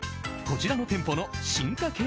こちらの店舗の進化系